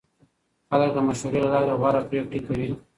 خلک د مشورې له لارې غوره پرېکړې کوي